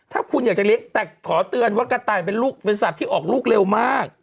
ถ้าคุณอยากจะเลี้ยงแต่ขอเตือนว่ากระต่ายเป็นลูกเป็นสัตว์ที่ออกลูกเร็วมาก